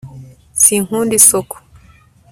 sinkunda isoko